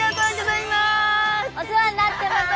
お世話になってます！